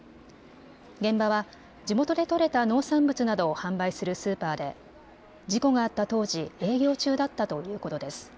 現場は地元で取れた農産物などを販売するスーパーで事故があった当時、営業中だったということです。